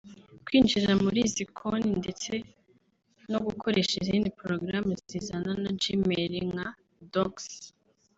Kwinjira muri izi konti ndetse no gukoresha izindi porogaramu zizana na Gmail nka Docs